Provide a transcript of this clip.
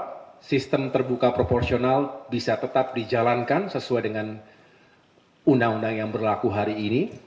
supaya sistem terbuka proporsional bisa tetap dijalankan sesuai dengan undang undang yang berlaku hari ini